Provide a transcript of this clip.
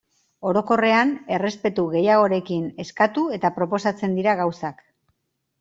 Orokorrean errespetu gehiagorekin eskatu eta proposatzen dira gauzak.